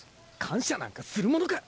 感謝なんかするものか！